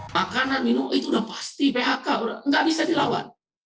makanan minum itu udah pasti phk nggak bisa dilawan